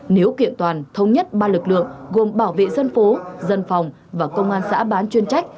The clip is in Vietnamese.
nếu kiện toàn thống nhất ba lực lượng gồm bảo vệ dân phố dân phòng và công an xã bán chuyên trách